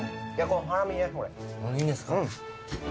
こういいんですか？